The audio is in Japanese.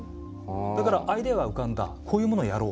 だからアイデアが浮かんだこういうものをやろう。